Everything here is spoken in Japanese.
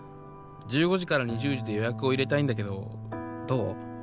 １５時から２０時で予約を入れたいんだけど、どう？